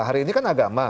hari ini kan agama